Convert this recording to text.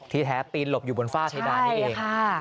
แท้ปีนหลบอยู่บนฝ้าเพดานนี้เอง